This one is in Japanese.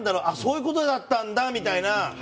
「あっそういう事だったんだ」みたいな。